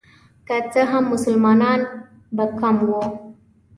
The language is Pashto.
که څه هم مسلمانان به کم وو.